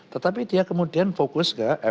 tetapi dia kemudian fokus ke